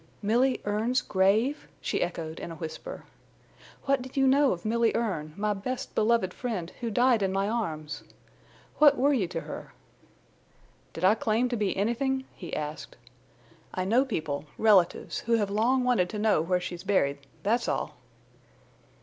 "Milly Erne's grave?" she echoed, in a whisper. "What do you know of Milly Erne, my best beloved friend—who died in my arms? What were you to her?" "Did I claim to be anythin'?" he inquired. "I know people—relatives—who have long wanted to know where she's buried, that's all."